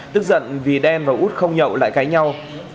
tức giận vì đen và út không nhậu lại cãi nhau